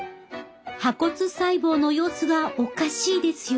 破骨細胞の様子がおかしいですよ。